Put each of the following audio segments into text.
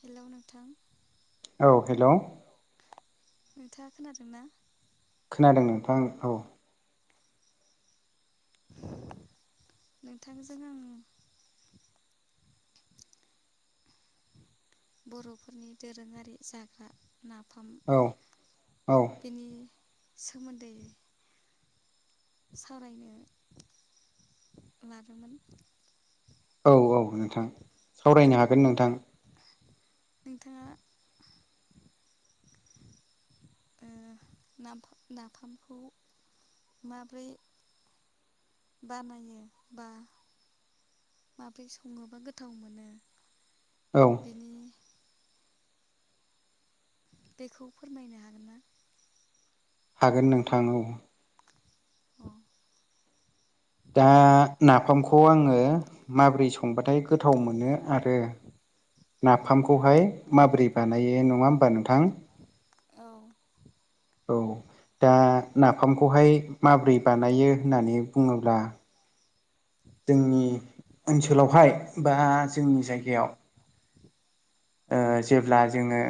Hello नोंथां। औ hello. नोंथाङा खोनादों ना? खोनादों नोंथां औ। नोंथांजों आं बर'फोरनि दोरोङारि जाग्रा नाफाम औ औ बिनि सोमोन्दै सावरायनो लादोंमोन। औ औ नोंथां सावरायनो हागोन नोंथां। नोंथाङा ओ नाफाम नाफामखौ माब्रै बानायो बा माब्रै सङोबा गोथाव मोनो? औ। बिनि बेखौ फोरमायनो हागोन ना? हागोन नोंथां औ। औ। दा नाफामखौ आङो माबोरै संबाथाय गोथाव मोनो आरो नाफामखौहाय माबोरै बानायो नङा होमबा नोंथां? औ। औ। दा नाफामखौहाय माब्रै बानायो होननानै बुङोब्ला जोंनि ओनसोलावहाय बा जोंनि जायगायाव ओ जेब्ला जोङो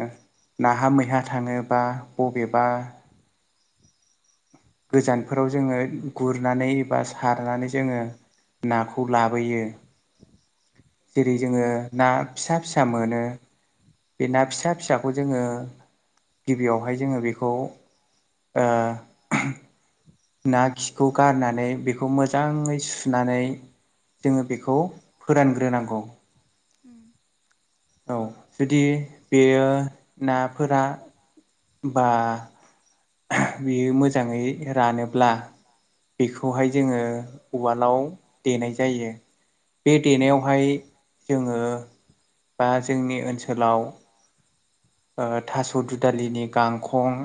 नाहा मैहा थाङो बा बबेबा गोजानफोराव जोङो गुरनानै बा सारनानै जोङो नाखौ लाबोयो। औ जेरै जोङो ना फिसा फिसा मोनो। बे ना फिसा फिसाखौ जोङो गिबियावहाय जोङो बेखौ ओ ना खिखौ गारनानै बेखौ मोजाङै सुनानै जोङो बेखौ फोरानग्रोनांगौ उ औ जुदि बेयो नाफोरा बा बियो मोजाङै रानोब्ला बेखौहाय जोङो उवालाव देनाय जायो बे देनायावहाय जोङो बा जोंनि ओनसोलाव ओ थास' दुदालिनि गांखं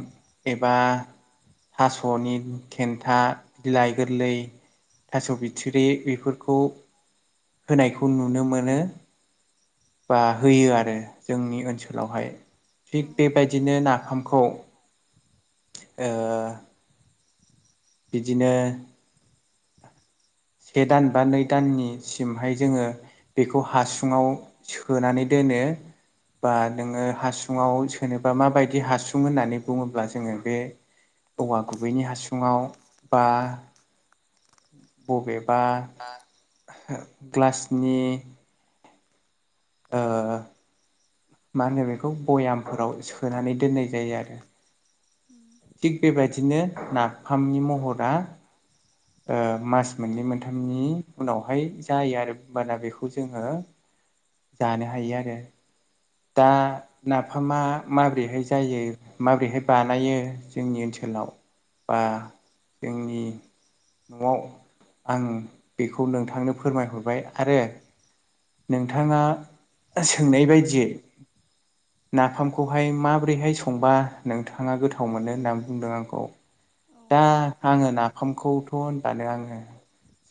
एबा थास'नि थेन्था बिलाइ गोरलै थास' बिथुरि बेफोरखौ होनायखौ नुनो मोनो बा होयो आरो जोंनि ओनसोलावहाय थिग औ बेबायदिनो नाफामखौ ओ बिदिनो से दान बा नै दाननि सिमहाय जोङो बेखौ हासुङाव सोनानै दोनो बा नोङो हासुङाव सोनोबा माबायदि हासुं होननानै बुङोब्ला जोङो बे औवा गुबैनि हासुङाव बा बबेबा बा ग्लासनि ओ मा होनो बेखौ भयामफोराव सोनानै दोननाय जायो आरो उम थिग बेबायदिनो नाफामनि महरा मास मोननै मोनथामनि उनावहाय जायो आरो होनबाना बेखौ जोङो जानो हायो आरो दा नाफामा माब्रैहाय जायो माबोरैहाय बानायो जोंनि ओनसोलाव बा जोंनि न'आव आं बेखौ नोंथांनो फोरमायहरबाय आरो नोंथाङा सोंनाय बायदियै नाफामखौहाय माबोरैहाय संबा नोंथाङा गोथाव मोनो होननानै बुंदों आंखौ औ दा आङो नाफामखौथ' होनबानो आङो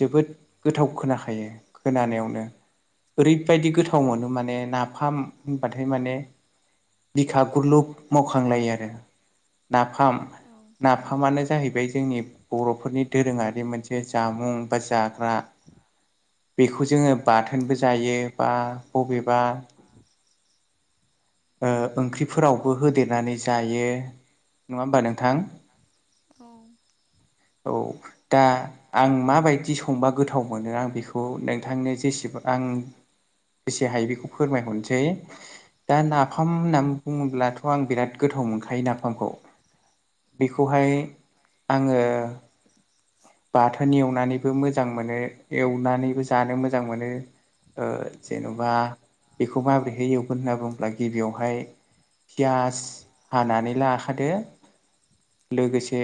जोबोद गोथाव खोनाखायो खोनानायावनो ओरैबायदि गोथाव मोनो माने नाफाम होनबाथाय माने बिखा गुरलुब मावखांलायो आरो नाफाम नाफ फामानो जाहैबाय जोंनि बर'फोरनि दोरोङारि मोनसे जामुं बा जाग्रा बेखौ जोङो बाथोनबो जायो बा बबेबा ओंख्रिफोरावबो होदेरनानै जायो नङा होमबा नोंथां औ औ दा आं माबायदि संबा गोथाव मोनो आं बेखौ नोंथांनो जेसेबां आं बेसे हायो बेखौ फोरमायहरनोसै दा औ नाफाम नोंथां। होननानै बुङोब्लाथ' आं बिराद गोथाव मोनखायो नाफामखौ बेखौहाय आङो बाथोन एवनानैबो मोजां मोनो एवनानैबो जानो मोजां मोनो जेन'बा बेखौ माबोरैहाय एवगोन होनना बुङोब्ला गिबियावहाय फियास हानानै लाखादो लोगोसे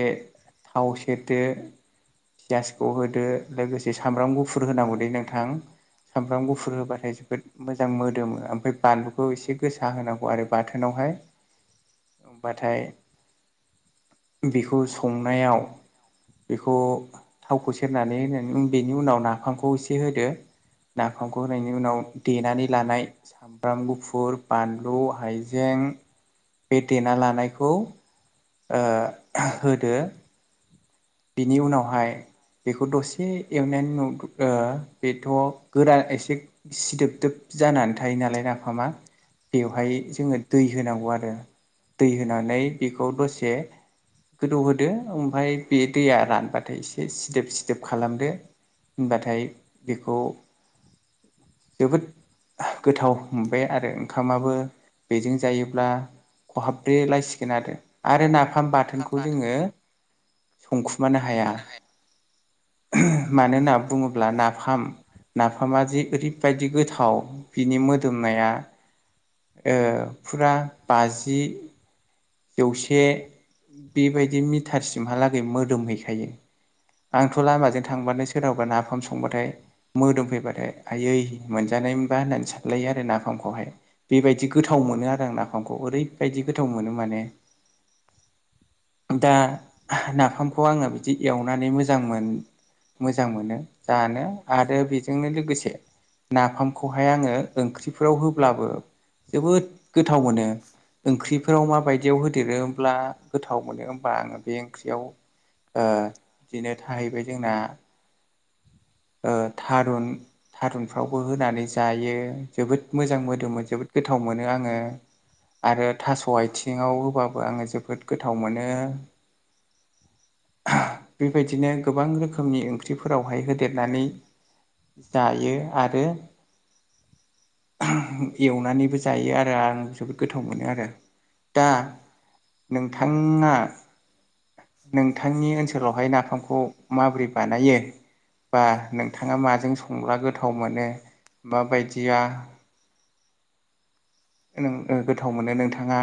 थाव से सेरदो पियासखौ होदो लोगोसे सामब्राम गुफुर होनांगौ दे नोंथां सामब्राम औ गुफुर होबाथाय जोबोद मोजां मोदोमो ओमफ्राय बानलुखौ एसे गोसा होनांगौ आरो बाथोनावहाय होनबाथाय बेखौ संनायाव बेखौ थावखौ सेरनानै होनानै बेनि उनाव नाफामखौ एसे होदो नाफामखौ होनायनि उनाव देनानै लानाय सामब्राम गुफुर बानलु हाइजें बे देना लानायखौ ओ होदो बिनि उनावहाय बेखौ दसे एवनानै नु ओ बेथ' गोरान एसे सिदोब दोब जानानै थायो नालाय नाफामा औ। बेवहाय जोङो दै होनांगौ आरो दै होनानै बेखौ दसे गोदौहोदो ओमफ्राय बे दैया रानबाथाय एसे सिदोब सिदोब खालामदो होनबाथाय बेखौ जोबोद गोथाव मोनबाय आरो ओंखामाबो बेजों जायोब्ला खहाबब्रे लायसिगोन आरो आरो नाफाम बाथोनखौ बाथोन जोङो संखुमानो हाया मानो होनना बुङोब्ला नाफाम नाफामा ओरैबायदि गोथाव बिनि मोदोमनाया फुरा बाजि जौसे बेबायदि मिटारसिमहालागै मोदोमहैखायो आंथ' लामाजों थांबानो सोरहावबा नाफाम संबाथाय मोदोम फैबाथाय आयै मोनजानाय मोनबा होननानै सानलायो आरो नाफामखौहाय बेबायदि गोथाव मोनो आरो आं नाफामखौ ओरैबायदि गोथाव मोनो माने [inaudible] दा नाफामखौ आङो बिदि एवनानै मोजां मोन मोजां मोनो जानो आरो बेजोंनो लोगोसे नाफामखौहाय आङो ओंख्रिफोराव होब्लाबो जोबोद गोथाव मोनो ओंख्रिफोराव माबायदि बिदियाव होदेरोब्ला गोथाव मोनो होमबा आङो बे ओंख्रियाव ओ बिदिनो थाहैबाय जोंना ओ थारुन थारुनफ्रावबो होनानै जायो जोबोद औ मोजां मोदोमोन जोबोद गोथाव मोनो आङो आरो थास' आथिङाव होबाबो आङो जोबोद गोथाव मोनो बेबायदिनो गोबां रोखोमनि ओंख्रिफोरावहाय होदेरनानै जायो आरो एवनानैबो जायो आरो आं जोबोद गोथाव मोनो आरो दा नोंथाङा नोंथांनि ओनसोलावहाय नाफामखौ माबोरै बानायो बा नोंथाङा माजों संब्ला गोथाव मोनो माबायदिया गोथाव मोनो नोंथाङा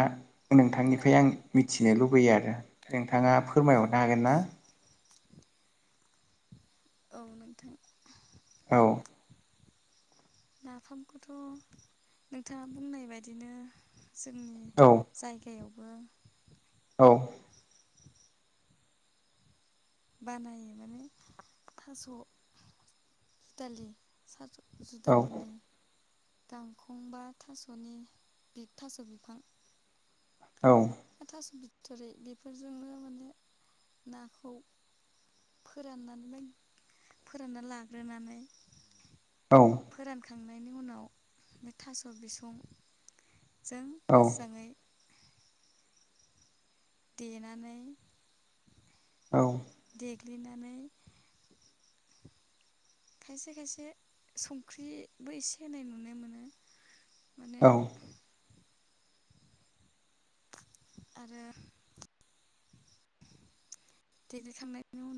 नोंथांनिफ्राय आं नोंथांनि मिथिनो लुबैयो आरो नोंथाङा फोरमायहरनो हागोन ना औ नोंथां औ नाफामखौथ' नोंथाङा बुंनाय बायदिनो जोंनि औ जायगायावबो औ बानायो माने थास' दुदालि थास औ जुदालिनि गांखं बा थास'नि बिग थास' बिफां औ थास' बिथरि बेफोरजोंनो माने नाखौ फोराननानै फोरानना लाग्रोनानै औ फोरानखांनायनि उनाव बे थास' बिसख जों औ मोजाङै। देनानै औ। देग्लिनानै खायसे खायसे संख्रिबो एसे होनाय नुनो मोनो। माने आरो देग्लिखांनायनि उनाव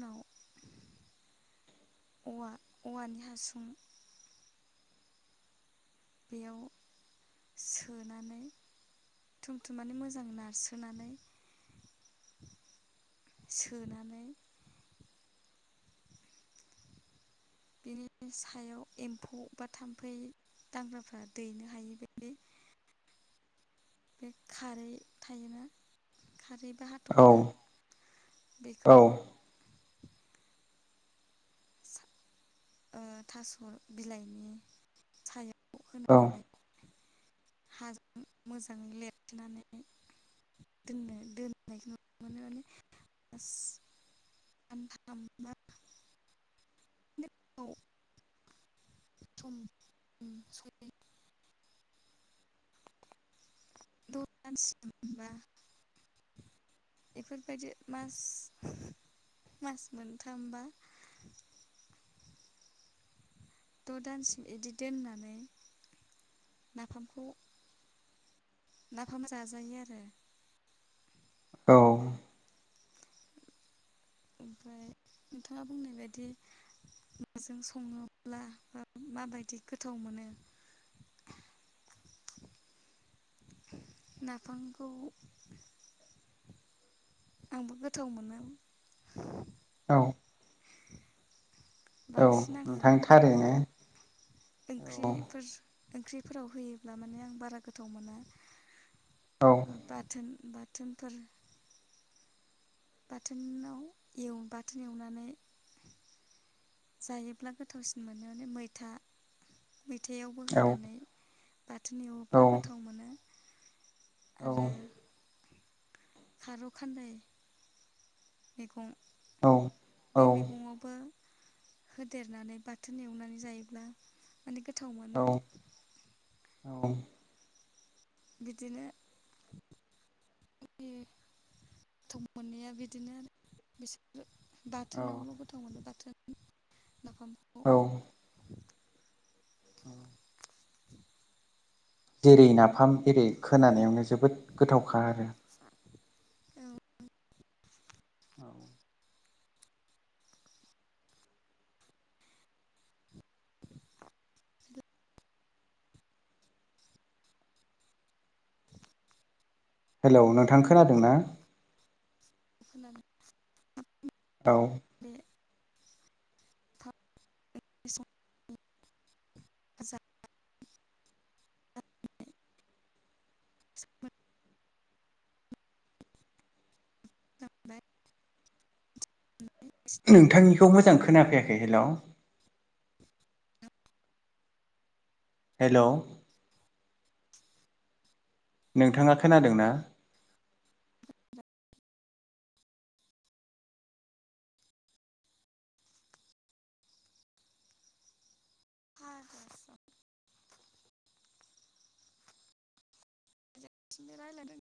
औवा। औवानि हासुं बेयाव सोनानै थुमथुम नानै मोजां नारस्रोनानै। सोनानै बिनि सायाव एम्फौ बा थाम्फै दांग्राफ्रा दैनो हायि बादि बे खारै थायोना खारै बाहा थफ्ला बेखौ ओ थास' बिलाइनि सायाव औ। होनानै हाजों मोजाङै लिरथेनानै। दोननो दोननायखौ नुनो मोनो माने सानथामा बा [unintelligible] [unintelligible] [unintelligible] बेफोरबायदि मास मास मोनथामबा द' दानसिम बिदि दोननानै नाफामखौ नाफाम जायो आरो। औ। ओमफ्राय नोंथाङा बुंनाय बादि नाजों सङोब्ला बा माबायदि गोथाव मोनो। नाफामखौ। आंबो गोथाव मोनो। औ। औ बांसिन आङो। नोंथां थारैनो औ ओंख्रिफोर ओंख्रिफोराव होयोब्ला माने आं बारा गोथाव मोना [inaudible] औ। बाथोन बाथोनफोरा बाथोनाव एव‌ बाथोन एवनानै जायोब्ला गोथावसिन मोनो माने मैथा मैथायावबो औ होनानै बाथोन एवोब्ला गोथाव मोनो। आरो। खारौ खान्दाय मैगं औ औ बे मैगङावबो होदेरनानै बाथोन एवनानै जायोब्ला माने गोथाव मोनो। औ। बिदिनो गोथाव मोननाया बिदिनो आरो बिसोर बाथोनावल' गोथाव मोनो बाथोन नाफामखौ औ जेरै नाफाम एरै खोनानायावनो जोबोद गोथावखा आरो। सा [unintelligible] औ [inaudible] हेलौ नोंथां खोनादोंना? खोनादों। औ बे हासा [unintelligible] [unintelligible] नोंथांनिखौ मोजां खोनाफैखै हेलौ। हेलौ नोंथाङा खोनादोंना? [unintelligible] थिनो रायलायदों